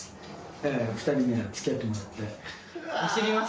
だから２人にはつきあってもらって。